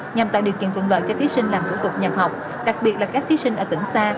nhằm tạo điều kiện thuận lợi cho thí sinh làm thủ tục nhập học đặc biệt là các thí sinh ở tỉnh xa